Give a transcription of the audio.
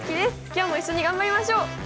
今日も一緒に頑張りましょう。